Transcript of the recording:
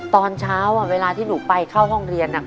ตอนเช้าเวลาที่หนูไปเข้าห้องเรียน